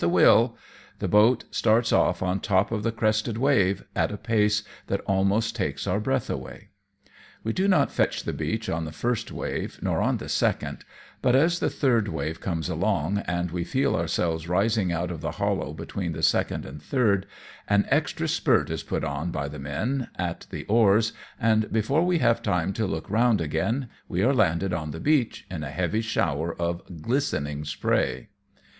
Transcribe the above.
a will/' the boat starts o£f on top of the crested wave, at a pace that almost takes our breath away. We do not fetch the beach on the first wave, nor on the second, but as the third wave comes along, and we feel ourselves rising out of the hollow between the second and third, an extra spurt is put on by the men at the oars, and before we have time to look round again, we are landed on the beach, in a heavy shower of glistening spray.